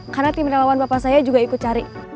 karena tim relawan bapak saya juga ikut cari